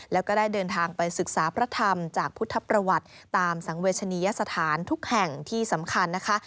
แล้วก็ได้เดินทางไปศึกษาพระธรรมจากพุทธประวัติตามสังเวชนียสถานทุกแห่งที่สำคัญนะคะ